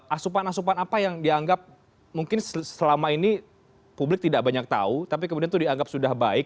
asupan asupan apa yang dianggap mungkin selama ini publik tidak banyak tahu tapi kemudian itu dianggap sudah baik